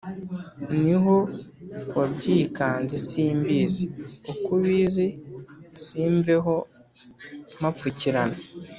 N’aho wabyikanze Si mbizi uko ubizi Simveho mpapfukirana